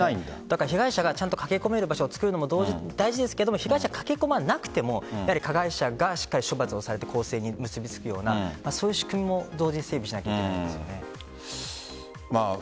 被害者が駆け込める場所をつくるのも大事ですが被害者が駆け込まなくても加害者がしっかり処罰されて更生に結びつくような仕組みも同時に整備しなければいけないですよね。